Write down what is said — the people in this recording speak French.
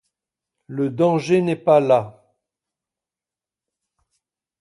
Le danger n’est pas là!